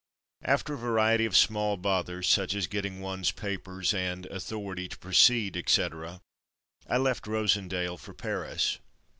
After a variety of small bothers, such as getting one's papers and "authority to proceed," etc., I left Rosen dael for Paris.